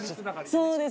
そうです！